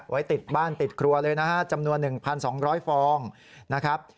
ไว้ติดบ้านติดครัวเลยนะฮะจำนวน๑๒๐๐ฟองนะครับ